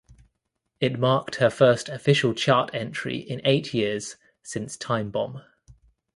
It marked her first official chart entry in eight years since "Timebomb".